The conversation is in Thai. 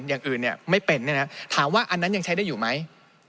อย่างอื่นเนี่ยไม่เป็นถามว่าอันนั้นยังใช้ได้อยู่ไหม